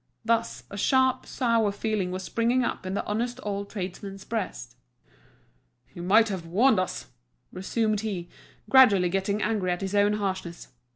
Thus, a sharp, sour feeling was springing up in the honest old tradesman's breast. "You might have warned us," resumed he, gradually getting angry at his own harshness.